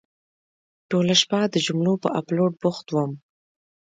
ټوله شپه د جملو په اپلوډ بوخت وم.